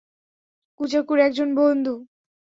কুজাকুর একজন বন্ধু!